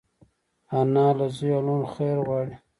انا له زوی او لوڼو خیر غواړي